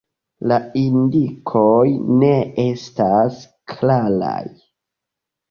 La indikoj ne estas klaraj.